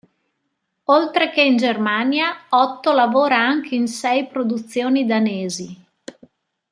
Oltre che in Germania, Otto lavora anche in sei produzioni danesi.